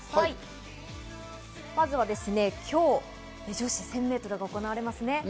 まずは今日、女子１０００メートルが行われます。